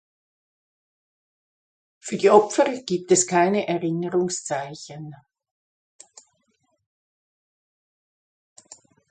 Für die Opfer gibt es kein Erinnerungszeichen.